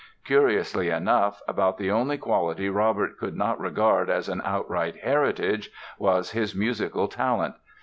Curiously enough, about the only quality Robert could not regard as an outright heritage was his musical talent.